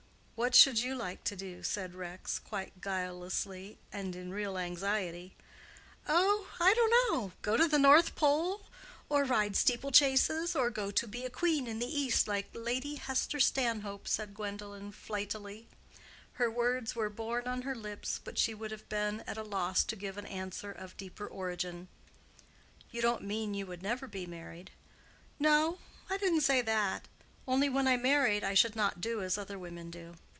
"What should you like to do?" said Rex, quite guilelessly, and in real anxiety. "Oh, I don't know!—go to the North Pole, or ride steeple chases, or go to be a queen in the East like Lady Hester Stanhope," said Gwendolen, flightily. Her words were born on her lips, but she would have been at a loss to give an answer of deeper origin. "You don't mean you would never be married?" "No; I didn't say that. Only when I married, I should not do as other women do."